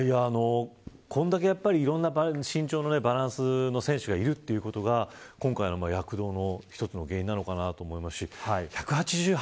これだけいろんな身長のバランスの選手がいるということが今回の躍動の一つの原因なのかなと思いますし１８８